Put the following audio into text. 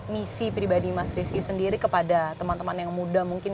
misi pribadi mas rizky sendiri kepada teman teman yang muda mungkin